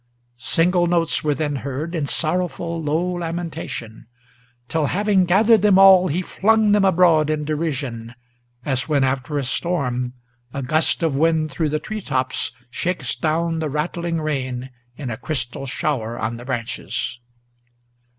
Single notes were then heard, in sorrowful, low lamentation; Till, having gathered them all, he flung them abroad in derision, As when, after a storm, a gust of wind through the tree tops Shakes down the rattling rain in a crystal shower on the branches.